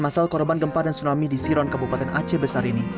masal korban gempa dan tsunami di siron kabupaten aceh besar ini